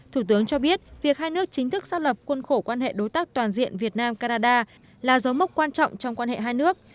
thủ tướng cho biết việc hai nước chính thức xác lập khuôn khổ quan hệ đối tác toàn diện việt nam canada là dấu mốc quan trọng trong quan hệ hai nước